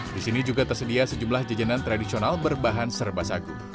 di sini juga tersedia sejumlah jajanan tradisional berbahan serba sagu